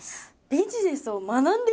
ビジネスを学んでいる？